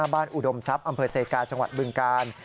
อุดมทรัพย์อำเภอเซกาจังหวัดบึงกาล